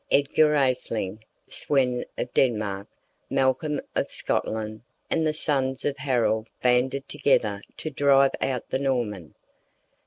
Edgar Atheling, Sweyn of Denmark, Malcolm of Scotland, and the sons of Harold banded together to drive out the Norman.